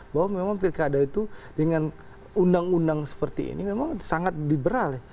bahwa memang pilih kada itu dengan undang undang seperti ini memang sangat liberal